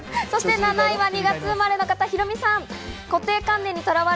７位は２月生まれの方、ヒロミさん。